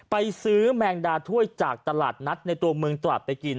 ไปซื้อแมงดาถ้วยจากตลาดนัดในตัวเมืองตราดไปกิน